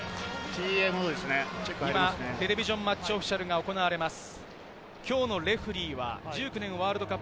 テレビジョン・マッチ・オフィシャルが行われます。